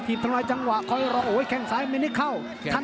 ทีบทำไมจังหวะคอยรอโหยแข้งสายไม่ได้เข้า